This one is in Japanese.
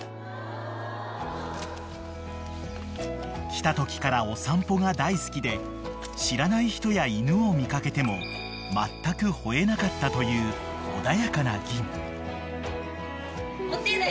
［来たときからお散歩が大好きで知らない人や犬を見掛けてもまったく吠えなかったという穏やかなぎん］